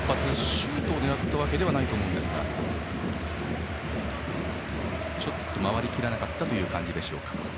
シュートを狙ったわけではないと思うんですがちょっと曲がりきらなかった感じでしょうか。